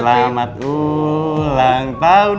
selamat ulang tahun